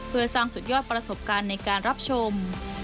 เพื่อสร้างสุดยอดประสบการณ์ในการรับชม